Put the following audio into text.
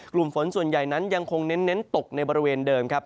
กลุ่มฝนส่วนใหญ่นั้นยังคงเน้นตกในบริเวณเดิมครับ